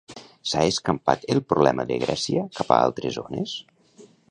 S'ha escampat el problema de Grècia cap a altres zones?